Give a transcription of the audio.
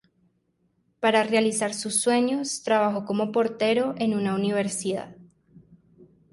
Para realizar sus sueños, trabajó como portero en una Universidad.